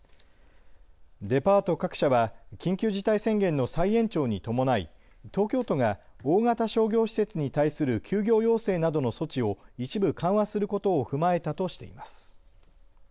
デパート各社は緊急事態宣言の再延長に伴い東京都が大型商業施設に対する休業要請などの措置を一部緩和することを踏まえたとしています。